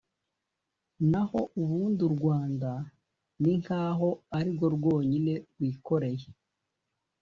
naho ubundi u rwanda ni nkaho ari rwo rwonyine rwikoreye